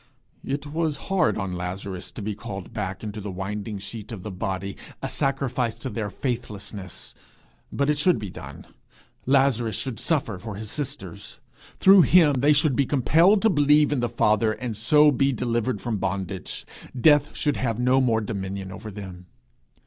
It was hard on Lazarus to be called back into the winding sheet of the body, a sacrifice to their faithlessness, but it should be done! Lazarus should suffer for his sisters! Through him they should be compelled to believe in the Father, and so be delivered from bondage! Death should have no more dominion over them!